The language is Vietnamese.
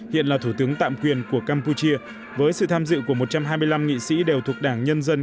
hiện là thủ tướng tạm quyền của campuchia với sự tham dự của một trăm hai mươi năm nghị sĩ đều thuộc đảng nhân dân